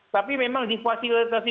tapi memang difasilitasi